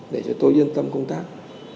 để cho tôi yên tâm công tác